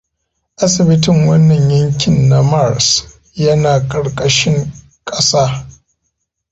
Asibitin wannan yankin na Mars yana karkashin kasa.